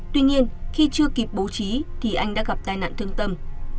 tuy nhiên khi chưa kịp bố trí thì anh đã gặp tai nạn thương tâm